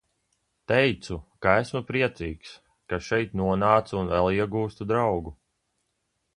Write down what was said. Teicu, ka esmu priecīgs, ka šeit nonācu un vēl iegūstu draugu.